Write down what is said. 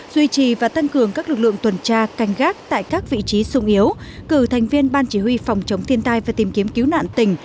duy trì và tăng cường các lực lượng tuần tra canh gác tại các vị trí sung yếu cử thành viên ban chỉ huy phòng chống thiên tai và tìm kiếm cứu nạn tỉnh